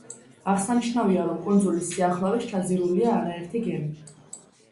აღსანიშნავია, რომ კუნძულის სიახლოვეს ჩაძირულია არაერთი გემი.